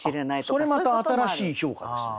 それまた新しい評価ですね。